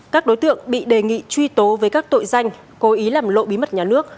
các đối tượng bị đề nghị truy tố với các tội danh cố ý làm lộ bí mật nhà nước